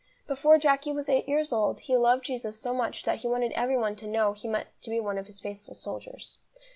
Before Jacky was eight years old he loved Jesus so much that he wanted every one to know he meant to be one of His faithful soldiers.